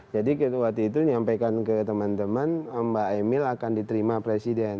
jadi waktu itu nyampaikan ke teman teman mbak emil akan diterima presiden